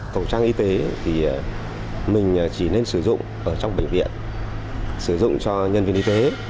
khẩu trang y tế thì mình chỉ nên sử dụng ở trong bệnh viện sử dụng cho nhân viên y tế